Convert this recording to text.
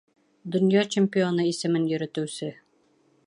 Донъя чемпионы исемен йөрөтөүсе